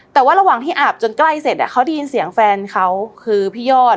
แต่ว่าระหว่างที่อาบจนใกล้เสร็จเขาได้ยินเสียงแฟนเขาคือพี่ยอด